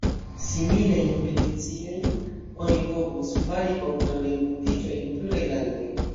Similajn peticiojn oni povus fari kontraŭ renkontiĝoj en pluraj landoj.